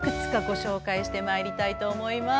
この中からいくつかご紹介してまいりたいと思います。